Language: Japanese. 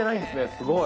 すごい。